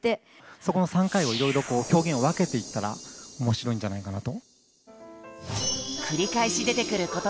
そこの３回をいろいろこう表現をわけていったら面白いんじゃないかなと。